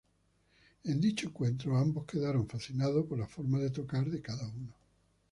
En dicho encuentro, ambos quedaron fascinados por la forma de tocar de cada uno.